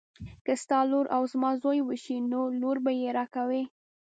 که ستا لور او زما زوی وشي نو لور به یې راکوي.